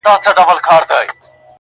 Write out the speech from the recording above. سوځېدل هم بې حکمته بې کماله نه دي یاره,